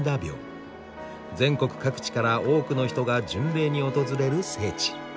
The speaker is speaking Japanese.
全国各地から多くの人が巡礼に訪れる聖地。